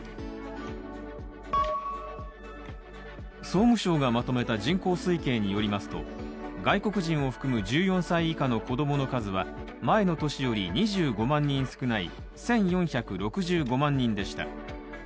総務省がまとめた人口推計によりますと、外国人を含む１４歳以下の子供の数は前の年より２５万人少ない１４６５万人でした。